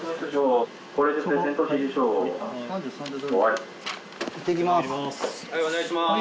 はいお願いします